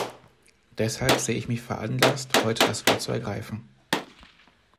Deshalb sehe ich mich veranlasst, heute das Wort zu ergreifen.